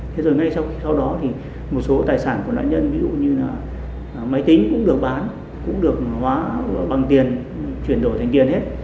thế rồi ngay sau đó một số tài sản của nạn nhân ví dụ như máy tính cũng được bán cũng được hóa bằng tiền chuyển đổi thành tiền hết